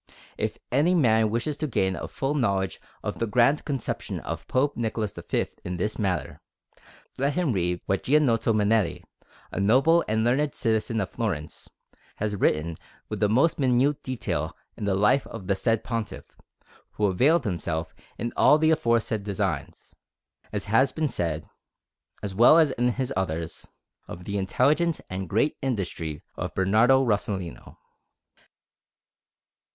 If any man wishes to gain a full knowledge of the grand conception of Pope Nicholas V in this matter, let him read what Giannozzo Manetti, a noble and learned citizen of Florence, has written with the most minute detail in the Life of the said Pontiff, who availed himself in all the aforesaid designs, as has been said, as well as in his others, of the intelligence and great industry of Bernardo Rossellino.